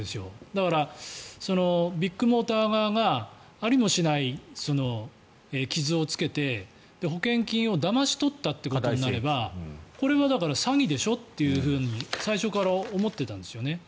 だから、ビッグモーター側がありもしない傷をつけて保険金をだまし取ったということになればこれは詐欺でしょ？というふうに最初から思ってたんですよね。